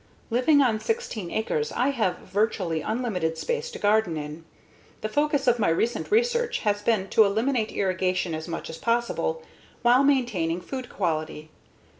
Living on 16 acres, I have virtually unlimited space to garden in. The focus of my recent research has been to eliminate irrigation as much as possible while maintaining food quality.